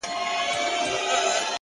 د سترگو تور مي د هغې مخته ايږدمه ځمه;